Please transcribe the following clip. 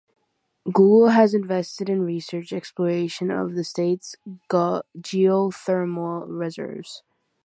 Google has invested in research exploration of the state's geothermal reserves.